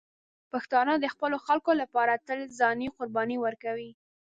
پښتانه د خپلو خلکو لپاره تل ځاني قرباني ورکوي.